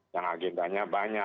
yang agendanya banyak